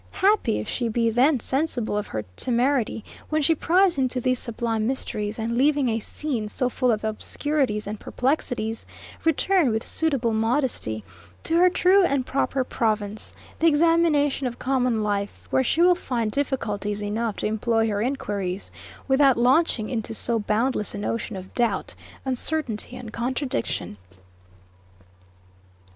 Happy, if she be thence sensible of her temerity, when she pries into these sublime mysteries; and leaving a scene so full of obscurities and perplexities, return, with suitable modesty, to her true and proper province, the examination of common life; where she will find difficulties enough to employ her enquiries, without launching into so boundless an ocean of doubt, uncertainty, and contradiction!